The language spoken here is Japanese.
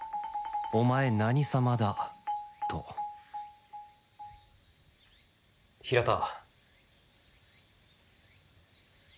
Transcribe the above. お前何様だ」と平田。